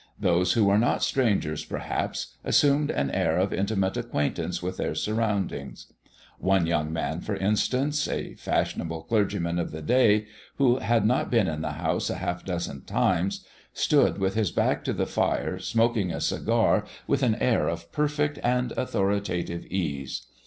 Those who were not strangers perhaps assumed an air of intimate acquaintance with their surroundings. One young man, for instance, a fashionable clergyman of the day, who had not been in the house a half dozen times, stood with his back to the fire smoking a cigar with an air of perfect and authoritative ease.